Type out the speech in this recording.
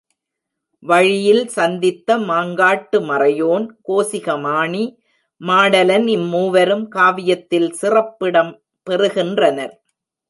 வழியில் சந்தித்த மாங்காட்டு மறையோன், கோசிக மாணி, மாடலன் இம்மூவரும் காவியத்தில் சிறப்பிடம் பெறுகின்றனர்.